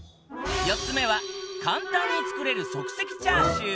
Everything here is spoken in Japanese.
４つ目は簡単に作れる即席チャーシュー